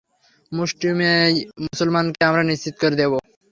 মুষ্টিমেয় মুসলমানকে আমরা নিশ্চিহ্ন করে দেব।